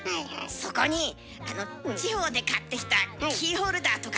そこに地方で買ってきたキーホルダーとかつけてた。